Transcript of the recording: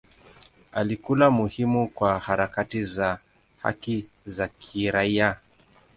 Alikuwa muhimu kwa harakati za haki za kiraia.